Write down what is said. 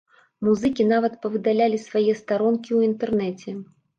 Музыкі нават павыдалялі свае старонкі ў інтэрнэце.